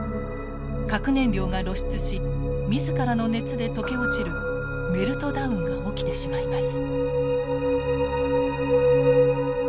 核燃料が露出し自らの熱で溶け落ちるメルトダウンが起きてしまいます。